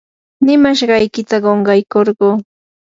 nimashqaykitam qunqaykurquu.